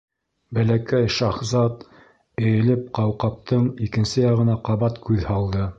Бәләкәй шаһзат эйелеп ҡауҡабтың икенсе яғына ҡабат күҙ һалды.